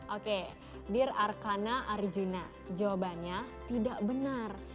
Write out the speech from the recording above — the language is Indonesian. oke dear arkana arjuna jawabannya tidak benar